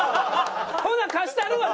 「ほな貸したるわ」